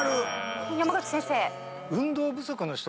山口先生。